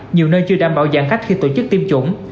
nhiều nơi chưa đảm bảo giãn cách khi tổ chức tiêm chủng